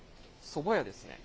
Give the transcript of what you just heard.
そば屋ですね。